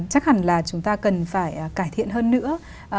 chắc hẳn là chúng ta cần phải cải thiện hơn nữa